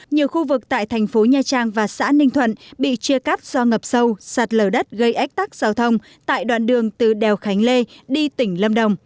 nhiều khu vực tại thành phố nha trang và xã ninh thuận bị chia cắt do ngập sâu sạt lở đất gây ách tắc giao thông tại đoạn đường từ đèo khánh lê đi tỉnh lâm đồng